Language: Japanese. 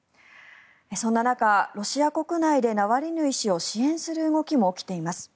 そんな中、ロシア国内でナワリヌイ氏を支援する動きも起きています。